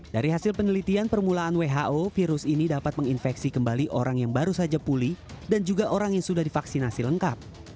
dari hasil penelitian permulaan who virus ini dapat menginfeksi kembali orang yang baru saja pulih dan juga orang yang sudah divaksinasi lengkap